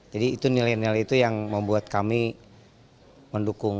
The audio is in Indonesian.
jadi itu nilai nilai itu yang membuat kami mendukung